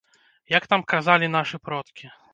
Як там казалі нашы продкі?